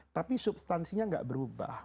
tapi substansinya tidak berubah